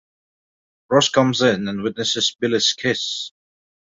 Ross comes in and witnesses Billy's kiss.